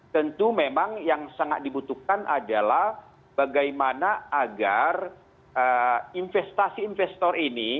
tentu memang yang sangat dibutuhkan adalah bagaimana agar investasi investor ini